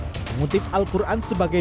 mengutip al quran sebagai